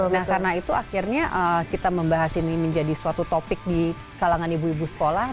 nah karena itu akhirnya kita membahas ini menjadi suatu topik di kalangan ibu ibu sekolah